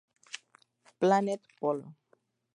Planet Polo